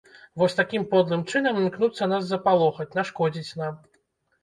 Вось такім подлым чынам імкнуцца нас запалохаць, нашкодзіць нам.